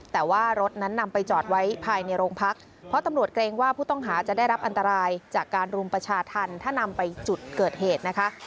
แต่ว่ารถนั้นนำไปจอดไว้ภายในโรงพักเพราะตำรวจเกรงว่าผู้ต้องหาจะได้รับอันตรายจากการรุมประชาธรรมถ้านำไปจุดเกิดเหตุนะคะ